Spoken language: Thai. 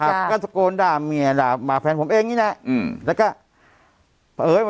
มีอันที่โดยเองเนี่ยนะ